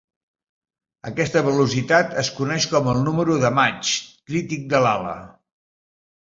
Aquesta velocitat es coneix com el número de Mach crític de l'ala.